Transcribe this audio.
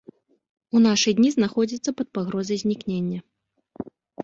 У нашы дні знаходзіцца пад пагрозай знікнення.